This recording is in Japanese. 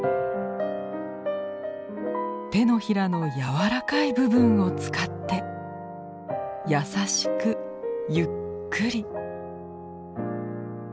手のひらの柔らかい部分を使って優しくゆっくり。